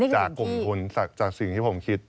จากกลุ่มทุนจากสิ่งที่ผมคิด